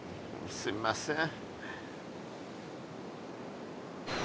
すみません。